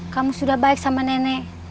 kamu sudah baik sama nenek